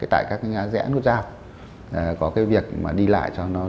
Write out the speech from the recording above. tại các cái nhà rẽ nước giao có cái việc mà đi lại cho nó